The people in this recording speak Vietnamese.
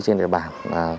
trên địa bàn